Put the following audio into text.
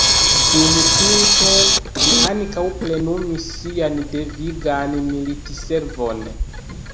Dum tiu tempo li ankaŭ plenumis sian devigan militservon.